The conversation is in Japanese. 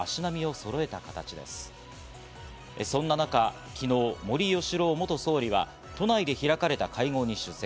そんな中、昨日、森喜朗元総理は都内で開かれた会合に出席。